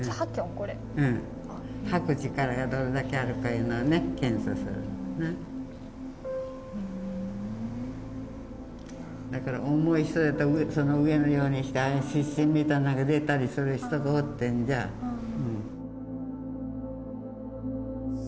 これうん吐く力がどれだけあるかいうのをね検査するだから重い人やとその上のようにして湿疹みたいなんが出たりする人がおってんじゃうん